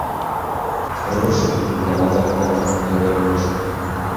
ру журналынын редактору Кирилл Мошков болду.